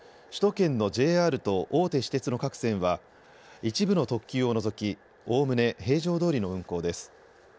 首都圏のＪＲと大手私鉄の各線は、一部の特急を除き、おおむね平常どおりの運行です。